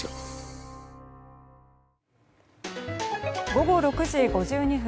午後６時５２分。